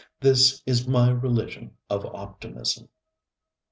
This is my religion of optimism.